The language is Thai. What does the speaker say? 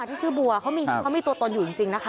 ก่อนที่ชื่อบัวก็มีเขาไม่ตัวตนอยู่จริงนะคะ